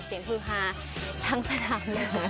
เสียงคือฮาทั้งสถาน